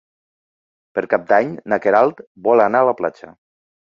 Per Cap d'Any na Queralt vol anar a la platja.